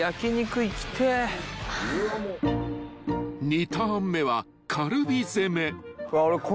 ［２ターン目はカルビ攻め］